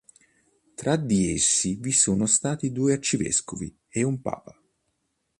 Tra di essi vi sono stati due arcivescovi e un papa.